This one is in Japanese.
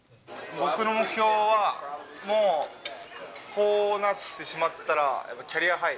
僕の目標は、もう、こうなってしまったら、やっぱりキャリアハイ。